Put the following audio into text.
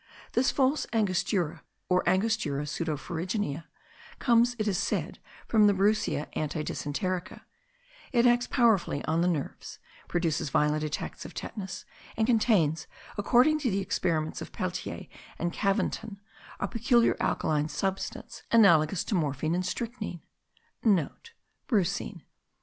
This false Angostura, or Angostura pseudo ferruginea, comes, it is said, from the Brucea antidysenterica; it acts powerfully on the nerves, produces violent attacks of tetanus, and contains, according to the experiments of Pelletier and Caventon, a peculiar alkaline substance* analogous to morphine and strychnine. (* Brucine.